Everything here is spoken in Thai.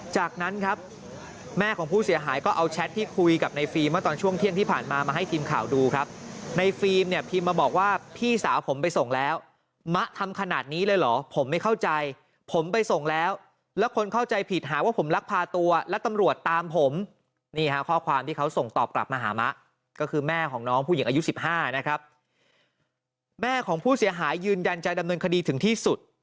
จากนั้นครับแม่ของผู้เสียหายก็เอาแชทที่คุยกับในฟีมว่าตอนช่วงเที่ยงที่ผ่านมามาให้ทีมข่าวดูครับในฟีมเนี่ยทีมมาบอกว่าพี่สาวผมไปส่งแล้วมะทำขนาดนี้เลยเหรอผมไม่เข้าใจผมไปส่งแล้วแล้วคนเข้าใจผิดหาว่าผมลักพาตัวและตำรวจตามผมนี่ฮะข้อความที่เขาส่งตอบกลับมาหามะก็คือแม่ของน้องผู้หญิ